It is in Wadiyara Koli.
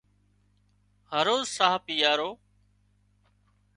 هروز ساهَه پيئارو